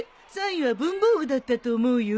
３位は文房具だったと思うよ。